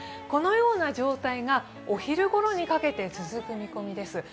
このような状態がお昼ごろにかけて続く見込みです。